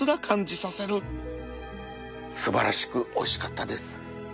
素晴らしくおいしかったです。